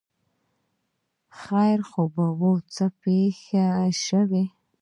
ـ خیر خو وو، څه پېښه شوې؟